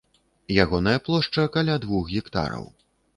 Ягоная плошча каля двух гектараў.